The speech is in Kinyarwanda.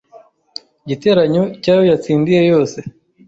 igiteranyo cy’ayo yatsindiye yose